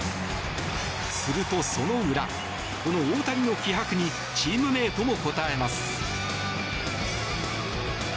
すると、その裏この大谷の気迫にチームメートも応えます。